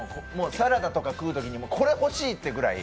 サラダとか食うときにこれ欲しいっていうぐらい。